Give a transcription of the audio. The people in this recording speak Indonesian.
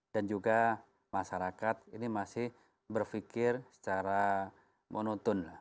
dan juga masyarakat ini masih berpikir secara monotone